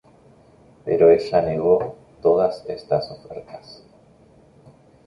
Pero ella negó todas estas ofertas.